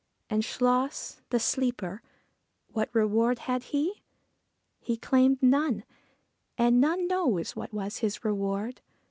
And Chluas, the sleeper what reward had he? He claimed none, and none knows what was his reward.